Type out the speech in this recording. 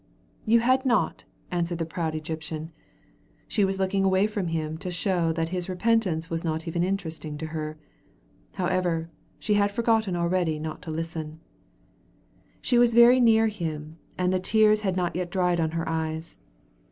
"You had not," answered the proud Egyptian. She was looking away from him to show that his repentance was not even interesting to her. However, she had forgotten already not to listen.... She was very near him, and the tears had not yet dried on her eyes.